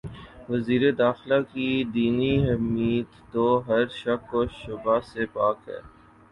وزیر داخلہ کی دینی حمیت تو ہر شک و شبہ سے پاک ہے۔